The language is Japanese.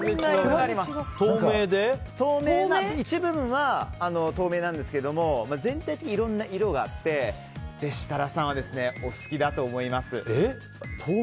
一部分は透明なんですけども全体的に、いろんな色があって設楽さんは、お好きだと思います。